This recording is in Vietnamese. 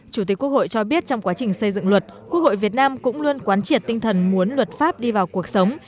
chủ tịch quốc hội cho biết trong quá trình xây dựng luật quốc hội việt nam cũng luôn quán triệt tinh thần muốn luật pháp đi vào cuộc sống